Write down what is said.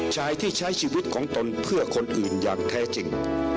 ชายที่ใช้ชีวิตของตนเพื่อคนอื่นอย่างแท้จริง